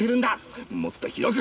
もっと広く！